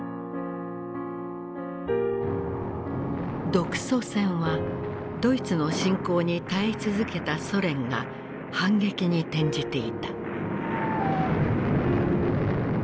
独ソ戦はドイツの侵攻に耐え続けたソ連が反撃に転じていた。